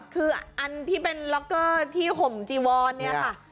คืออันที่เป็นล็อกเกอร์ที่ห่มจีวอนเนี่ยค่ะ